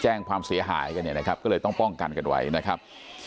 ความเสียหายกันเนี่ยนะครับก็เลยต้องป้องกันกันไว้นะครับ